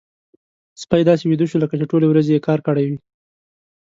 سپی داسې ویده شو لکه چې ټولې ورځې يې کار کړی وي.